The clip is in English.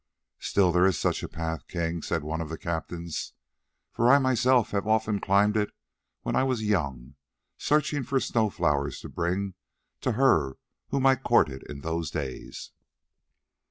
"Still there is such a path, King," said one of the captains, "for I myself have often climbed it when I was young, searching for snow flowers to bring to her whom I courted in those days."